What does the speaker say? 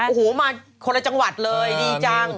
โอ้โหมาคนละจังหวัดเลยดีจัง